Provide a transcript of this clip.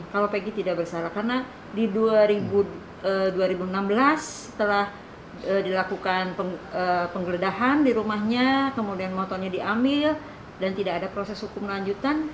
kalau pegi tidak bersalah karena di dua ribu enam belas setelah dilakukan penggeledahan di rumahnya kemudian motornya diambil dan tidak ada proses hukum lanjutan